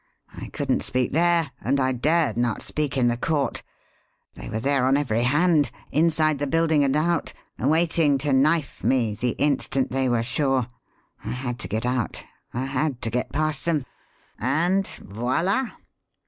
I couldn't speak there, and I dared not speak in the court. They were there, on every hand inside the building and out waiting to knife me the instant they were sure. I had to get out I had to get past them, and voila."